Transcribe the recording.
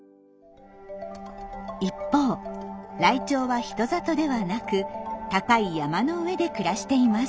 一方ライチョウは人里ではなく高い山の上で暮らしています。